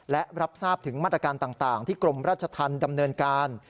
และรับทราบถึงมาตรการต่างที่กรมราชธรรมดำเนินการ